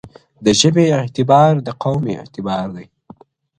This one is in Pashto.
د ژبي اعتبار د قوم اعتبار دی -